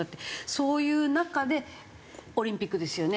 そういう中でオリンピックですよね。